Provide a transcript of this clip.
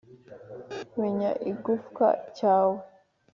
menya igufwa cyawe;